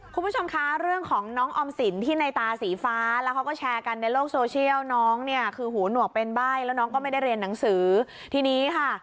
คุณผู้ชมคะเรื่องของน้องออมสินที่ในตาสีฟ้าแล้วเขาก็แชร์กันในโลกโซเชียลน้องเนี่ยคือหูหนวกเป็นใบ้แล้วน้องก็ไม่ได้เรียนหนังสือทีนี้ค่ะ